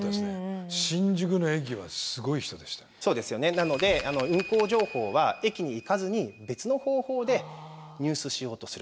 なので運行情報は駅に行かずに別の方法で入手しようとする。